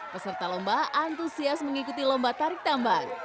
peserta lomba antusias mengikuti lomba tarik tambang